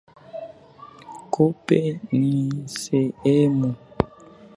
Kope ni sehemu.